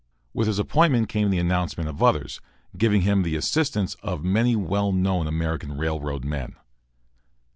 With his appointment came the announcement of others, giving him the assistance of many well known American railroad men.